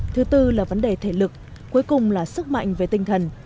thứ tư là vấn đề thể lực cuối cùng là sức mạnh về tinh thần